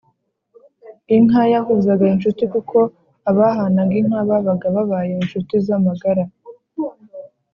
inka yahuzaga inshuti kuko abahanaga inka babaga babaye inshuti z’amagara.